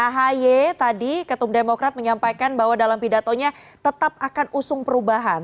ahy tadi ketum demokrat menyampaikan bahwa dalam pidatonya tetap akan usung perubahan